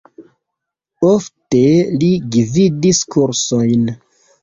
Ofte li gvidis kursojn.